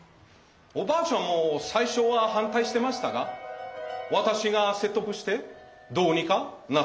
おばあちゃんも最初ははんたいしてましたがわたしが説得してどうにかなっとくしてくれました。